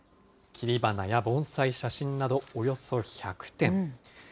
切り花や盆栽、写真など、およそ１００点。